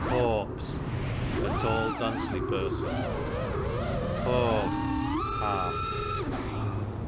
Hawps, a tall duncely person. Hawve, half.